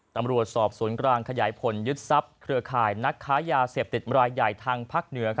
ตำรวจสอบศูนย์กลางขยายผลยึดทรัพย์เครือข่ายนักค้ายาเสพติดรายใหญ่ทางภาคเหนือ